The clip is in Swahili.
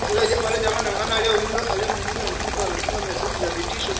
Tofauti na himaya ya burundi iliyotawaliwa na ukoo wa abaganwa